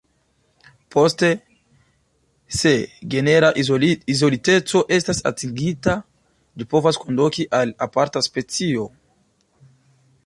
Poste, se genera izoliteco estas atingita, ĝi povas konduki al aparta specio.